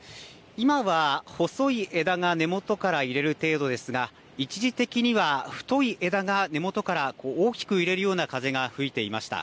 今は細い枝が根元から揺れる程度ですが、一時的には太い枝が根元から大きく揺れるような風が吹いていました。